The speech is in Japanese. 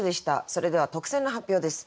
それでは特選の発表です。